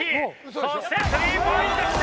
そしてスリーポイントきた！